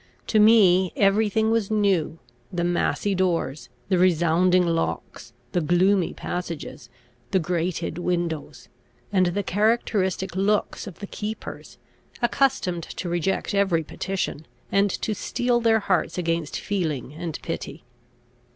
To me every thing was new, the massy doors, the resounding locks, the gloomy passages, the grated windows, and the characteristic looks of the keepers, accustomed to reject every petition, and to steel their hearts against feeling and pity.